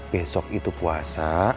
besok itu puasa